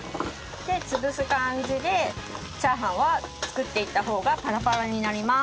で潰す感じでチャーハンは作っていった方がパラパラになります。